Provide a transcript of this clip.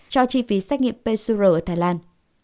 cho chi phí xét nghiệm pcr ở thái lan